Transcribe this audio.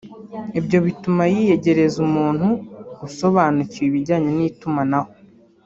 Ibyo bituma yiyegereza umuntu usobanukiwe ibijyanye n’itumanaho